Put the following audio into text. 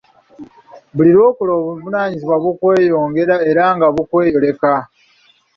Buli lw'okula nga n'obuvunaanyizibwa bweyongera era nga bukweyoleka.